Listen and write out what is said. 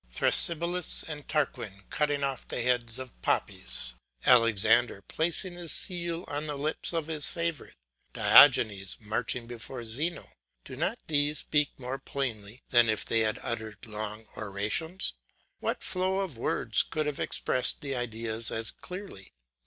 Thrasybulus and Tarquin cutting off the heads of the poppies, Alexander placing his seal on the lips of his favourite, Diogenes marching before Zeno, do not these speak more plainly than if they had uttered long orations? What flow of words could have expressed the ideas as clearly?